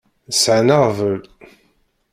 Sɛan aɣbel.